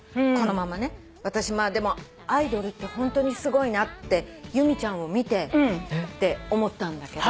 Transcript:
私まあでもアイドルってホントにすごいなって由美ちゃんを見てて思ったんだけど。